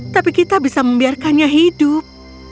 tapi kita bisa membiarkannya hidup